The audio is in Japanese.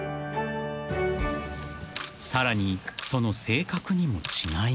［さらにその性格にも違いが］